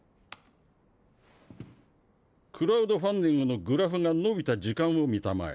クラウドファンディングのグラフがのびたじかんをみたまえ。